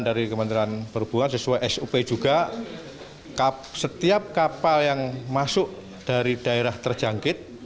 dari kementerian perhubungan sesuai sop juga setiap kapal yang masuk dari daerah terjangkit